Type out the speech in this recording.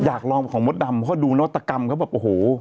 อยากลองของมดดำเพราะดูนวัตกรรมเขาแบบโอ้โห